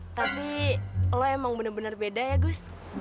tapi lo emang bener bener beda ya gus